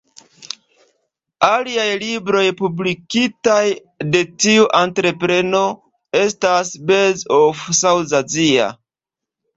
Aliaj libroj publikitaj de tiu entrepreno estas "Birds of South Asia.